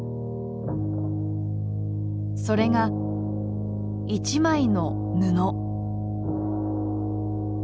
それが「一枚の布」。